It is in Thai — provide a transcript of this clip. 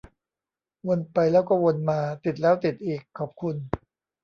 วนไปแล้วก็วนมา ติดแล้วติดอีก ขอบคุณ